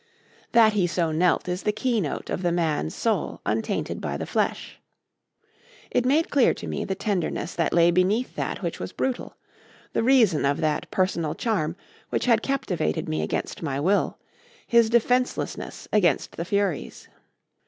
That he so knelt is the keynote of the man's soul untainted by the flesh. It made clear to me the tenderness that lay beneath that which was brutal; the reason of that personal charm which had captivated me against my will; his defencelessness against the Furies.